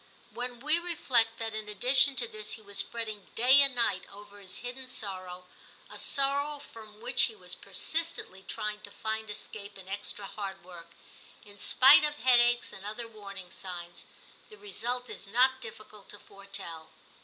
When we reflect that in addition to this he was fretting day and night over his XII TIM 287 hidden sorrow, — a sorrow from which he was persistently trying to find escape in extra hard work, in spite of headaches and other warning signs, — the result is not difficult to foretell.